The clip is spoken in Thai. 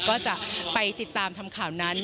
ก็จะไปติดตามทำข่าวนั้น